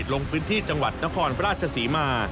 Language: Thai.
ลงพื้นที่จังหวัดนครราชศรีมา